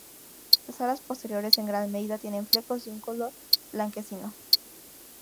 Las alas posteriores en gran medida tienen flecos y tienen un color blanquecino.